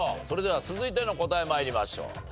それでは続いての答え参りましょう。